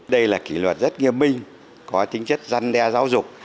đây là kỷ luật rất nghiêm minh có tính chất răn đeo giáo dục